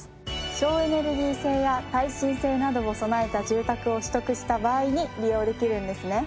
省エネルギー性や耐震性などを備えた住宅を取得した場合に利用できるんですね。